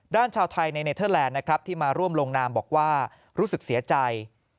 ชาวไทยในเนเทอร์แลนด์นะครับที่มาร่วมลงนามบอกว่ารู้สึกเสียใจ